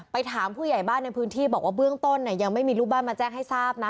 ถามผู้ใหญ่บ้านในพื้นที่บอกว่าเบื้องต้นยังไม่มีลูกบ้านมาแจ้งให้ทราบนะ